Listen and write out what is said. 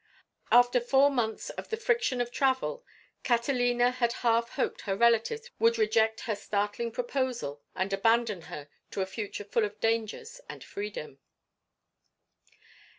After four months of the friction of travel, Catalina had half hoped her relatives would reject her startling proposal and abandon her to a future full of dangers and freedom.